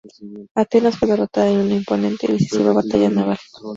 Atenas fue derrotada en una imponente y decisiva batalla naval.